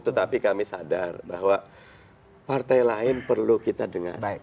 tetapi kami sadar bahwa partai lain perlu kita dengar